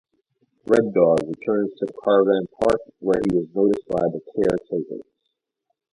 Red Dog returns to the caravan park, where he is noticed by the caretakers.